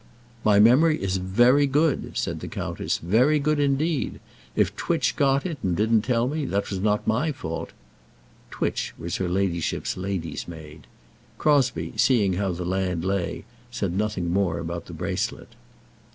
"My memory is very good," said the countess; "very good indeed. If Twitch got it, and didn't tell me, that was not my fault." Twitch was her ladyship's lady's maid. Crosbie, seeing how the land lay, said nothing more about the bracelet.